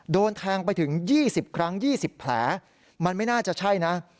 โดนแทงไปถึง๒๐ครั้ง๒๐แผลมันไม่น่าจะใช่นะ